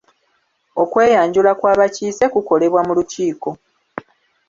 Okweyanjula kw’abakiise kukolebwa mu lukiiko.